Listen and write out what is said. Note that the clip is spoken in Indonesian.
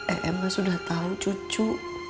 em sudah tahu cucu